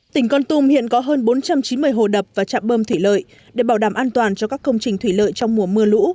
tỉnh con tum hiện có hơn bốn trăm chín mươi hồ đập và trạm bơm thủy lợi để bảo đảm an toàn cho các công trình thủy lợi trong mùa mưa lũ